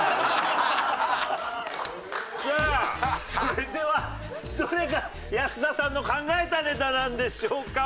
さあそれではどれが安田さんの考えたネタなんでしょうか？